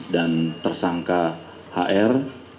dan tersangka hr